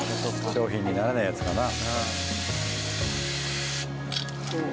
商品にならないやつかな。